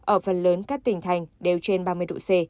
ở phần lớn các tỉnh thành đều trên ba mươi độ c